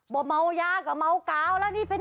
บ่เมายากับเมากาวแล้ว